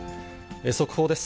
速報です。